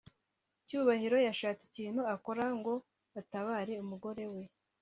cyubahiro yashatse ikintu yakora ngo atabare umugorewe